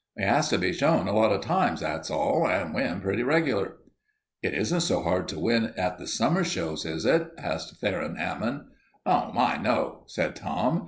He has to be shown a lot of times, that's all, and win pretty regular." "It isn't so hard to win at the summer shows, is it?" asked Theron Hammond. "Oh, my, no," said Tom.